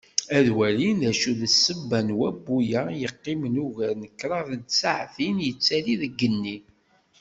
Ad walin d acu d ssebba n wabbu-a i yeqqimen ugar n kraḍ n tsaɛtin yettali deg yigenni.